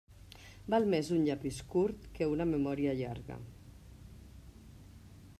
Val més un llapis curt que una memòria llarga.